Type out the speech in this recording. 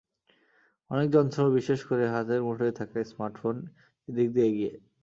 অনেক যন্ত্র বিশেষ করে হাতের মুঠোয় থাকা স্মার্টফোন এদিক দিয়ে এগিয়ে।